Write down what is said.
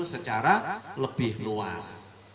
secara lebih luas